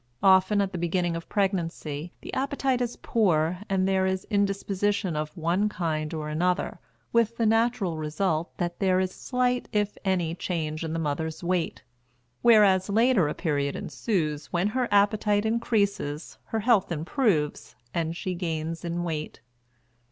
Often, at the beginning of pregnancy, the appetite is poor and there is indisposition of one kind or another, with the natural result that there is slight if any change in the mother's weight; whereas later a period ensues when her appetite increases, her health improves, and she gains in weight.